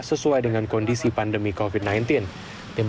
sesuai dengan kondisi pandemi covid sembilan belas